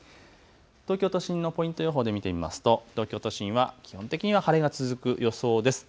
東京都心のポイント予報で見てみますと、東京都心は基本的には晴れが続く予想です。